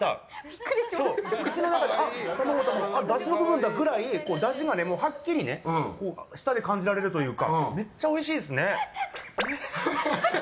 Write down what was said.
口の中で卵食べただしの部分だみたいに、だしがはっきり舌で感じられるというかめっちゃおいしいですね。